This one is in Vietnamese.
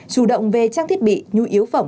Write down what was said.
chủ động về trang thiết bị nhu yếu phẩm